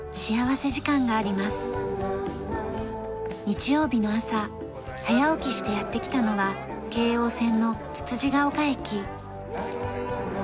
日曜日の朝早起きしてやってきたのは京王線のつつじヶ丘駅。